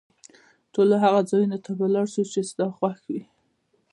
ټولو هغو ځایونو ته به ولاړ شو، چي ستا خوښ وي.